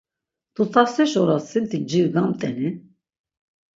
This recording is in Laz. Tutasteş oras sinti nciri gamt̆eni?